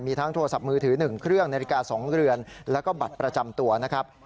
มีทั้งโทรศัพท์มือถือ๑เครื่องนาฬิกา๒เรือนแล้วก็บัตรประจำตัวนะครับ